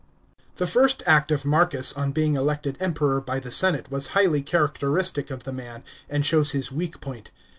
§ 3. The first act of Marcus on being elected Emperor by the senate was highly characteristic of the man, and shows his weak point.